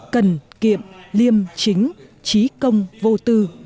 cần kiệm liêm chính trí công vô tư